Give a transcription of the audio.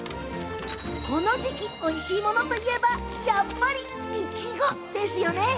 この時期においしいものといえばやっぱり、いちごですよね。